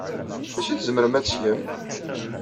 D acu ay tzemrem ad tgem?